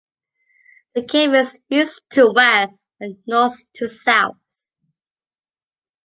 The kame is east to west and north to south.